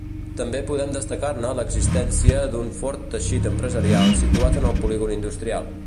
També podem destacar-ne l'existència d'un fort teixit empresarial situat en el polígon industrial.